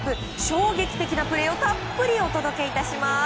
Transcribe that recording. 衝撃的なプレーをたっぷりお届けいたします。